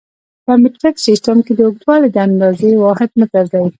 په مټریک سیسټم کې د اوږدوالي د اندازې واحد متر دی.